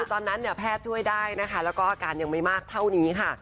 ตอนนั้นเนี่ยแพทย์ช่วยได้นะคะแล้วก็อาการยังไม่มากเท่านี้ค่ะ